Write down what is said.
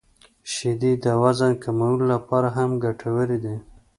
• شیدې د وزن کمولو لپاره هم ګټورې دي.